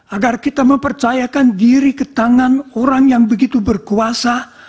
agar kita mempercayakan diri ketangan orang yang begitu berkuasa